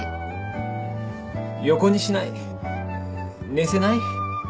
横にしない寝せない？